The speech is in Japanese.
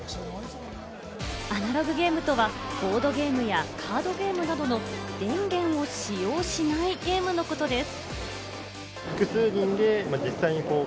アナログゲームとはボードゲームやカードゲームなどの電源を使用しないゲームのことです。